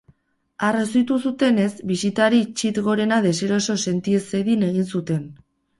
Arrazoitu zutenez, bisitari txit gorena deseroso senti ez zedin egin zuten.